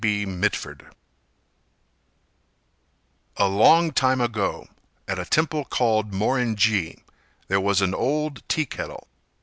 B. Mitford A long time ago, at a temple called Morinji, there was an old teakettle.